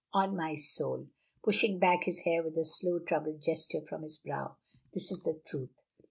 On my soul," pushing back his hair with a slow, troubled gesture from his brow, "this is the truth."